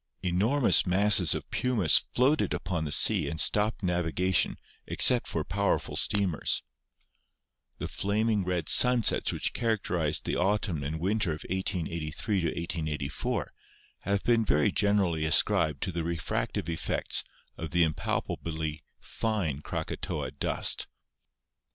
Enormous masses of pumice floated upon the sea and stopped naviga VULCANISM 113 tion except for powerful steamers. The flaming red sun sets which characterized the autumn and winter of 1883 1884 have been very generally ascribed to the refractive effects of the impalpably fine Krakatoa dust.